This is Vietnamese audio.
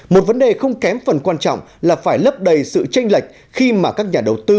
một vấn đề không kém phần quan trọng là phải lấp đầy sự tranh lệch khi mà các nhà đầu tư